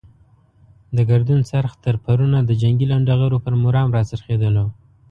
د ګردون څرخ تر پرون د جنګي لنډه غرو پر مرام را څرخېدلو.